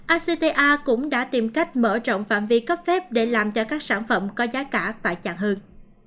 acta cũng đã tìm cách mở rộng phạm vi cấp phép để làm cho các sản phẩm có giá cả phải chặt hơn